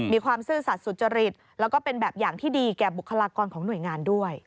ซื่อสัตว์สุจริตแล้วก็เป็นแบบอย่างที่ดีแก่บุคลากรของหน่วยงานด้วย